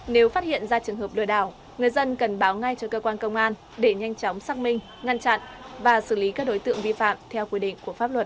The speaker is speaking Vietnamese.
nếu phát hiện ra trường hợp lừa đảo người dân cần báo ngay cho cơ quan công an để nhanh chóng xác minh ngăn chặn và xử lý các đối tượng vi phạm theo quy định của pháp luật